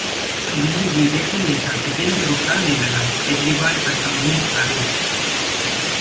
Delhi BJP नेता विजेंद्र गुप्ता ने लगाए केजरीवाल पर गंभीर आरोप